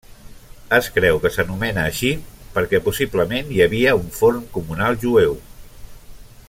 Es creu que s'anomena així perquè possiblement hi havia un forn comunal jueu.